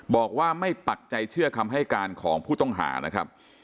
บอกว่าไม่ปักใจเชื่อคำให้การของผู้ต้องหานะครับ